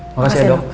makasih ya dok